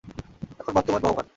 এখন বর্তমান বহমান।